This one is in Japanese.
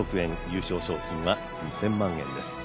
優勝賞金は２０００万円です。